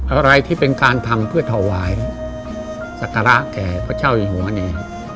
อะไรที่เป็นการทำเพื่อถวายสักการะแก่พระเจ้าอยู่หัวเนี่ย